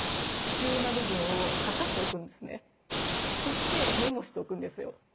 そしてメモしておくんですよ。